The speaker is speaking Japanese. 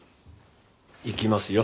行きますよ。